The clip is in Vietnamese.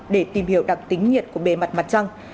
để tìm hiểu đặc tính nhiệt của bề mặt mặt trăng